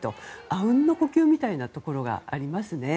阿吽の呼吸みたいなところがありますよね。